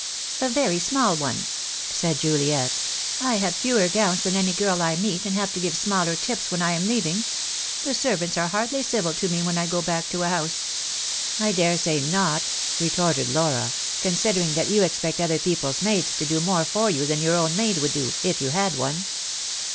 "A very small one," said Juliet, "I have fewer gowns than any girl I meet, and have to give smaller tips when I am leaving. The servants are hardly civil to me when I go back to a house." "I daresay not," retorted Laura, "considering that you expect other people's maids to do more for you than your own maid would do, if you had one."